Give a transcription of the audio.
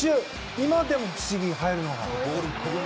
今でも不思議、入るのが。